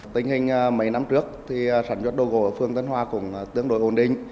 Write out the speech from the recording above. tình hình mấy năm trước sản xuất đồ gỗ ở phương tân hòa cũng tương đối ổn định